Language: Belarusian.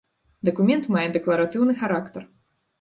Дакумент мае дэкларатыўны характар.